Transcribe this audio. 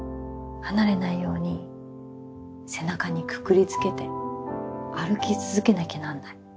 離れないように背中にくくりつけて歩き続けなきゃなんない。